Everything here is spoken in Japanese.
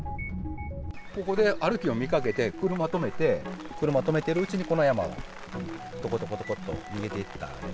ここで歩きよるのを見かけて、車止めて、車止めてるうちに、この山をとことことこって、逃げていった。